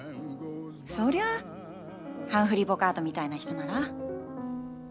そりゃあハンフリー・ボガートみたいな人なら。